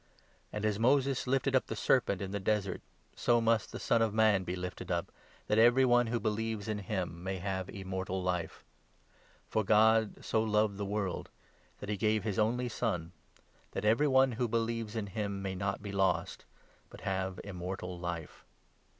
And, as Moses lifted up the serpent in the desert, so must the 14 Son of Man be lifted up ; that every one who believes in him 15 may have Immortal Life." For God so loved the world, that he gave his only Son, that 16 every one who believes in him may not be lost, but have Immortal Life.